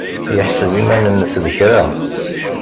Yeḥseb iman-nnes d kra.